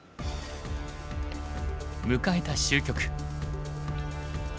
迎えた終局。